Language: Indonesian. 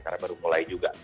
karena baru mulai juga